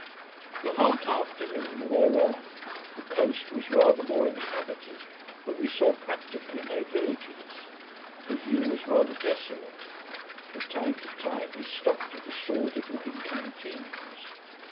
The hot afternoon wore on. The coast was rather more inhabited, but we saw practically no villages. The view was rather desolate. From time to time we stopped at a sordid looking canteen house.